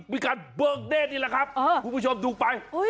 มีการเบิกเด้นี่แหละครับคุณผู้ชมดูไป